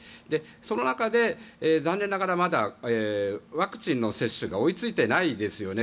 その中で残念ながらまだワクチンの接種が追いついていないですよね。